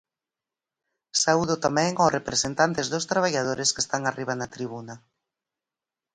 Saúdo tamén aos representantes dos traballadores que están arriba na tribuna.